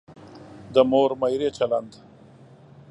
د مور میرې چلند.